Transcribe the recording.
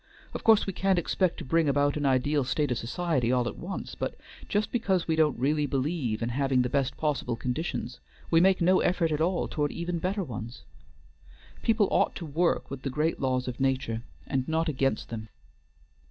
Of course we can't expect to bring about an ideal state of society all at once; but just because we don't really believe in having the best possible conditions, we make no effort at all toward even better ones. People ought to work with the great laws of nature and not against them."